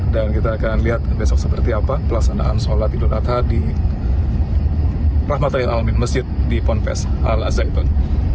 dan kita akan lihat besok seperti apa pelaksanaan sholat idul adha di rahmatul alamin masjid di pond pes al azhaibang